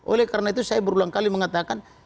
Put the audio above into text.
oleh karena itu saya berulang kali mengatakan